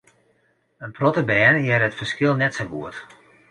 In protte bern hearre it ferskil net sa goed.